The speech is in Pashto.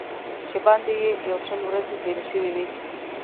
چې باندې یې یو شل ورځې تېرې شوې وې.